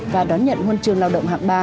và đón nhận huân trường lao động hạng ba